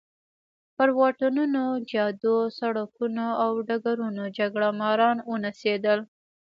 پر واټونو، جادو، سړکونو او ډګرونو جګړه ماران ونڅېدل.